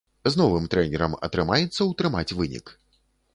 З новым трэнерам атрымаецца ўтрымаць вынік?